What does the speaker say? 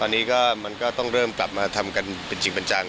ตอนนี้ก็มันก็ต้องเริ่มกลับมาทำกันเป็นจริงเป็นจัง